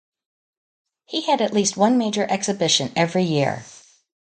He had at least one major exhibition every year.